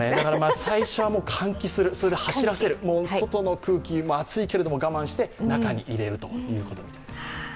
最初は換気する、それで走らせる外の空気、熱いけれども、我慢して中に入れるということみたいです。